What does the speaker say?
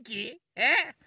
えっ？